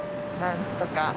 何とか。